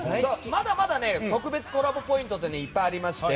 まだまだ特別コラボポイントいっぱいありまして。